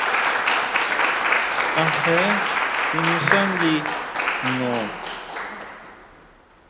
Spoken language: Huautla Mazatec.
¿A jee tinixángui jno?